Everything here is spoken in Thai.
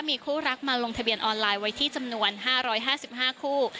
มีคู่รักมาลงทะเบียนออนไลน์ไว้ที่จำนวน๕๕คู่